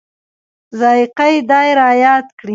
ذایقه یې دای رایاد کړي.